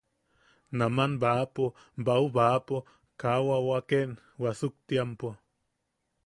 Naman baʼapo baubaʼapo kaa wawaken wasuktiampo;.